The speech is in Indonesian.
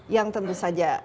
yang tentu saja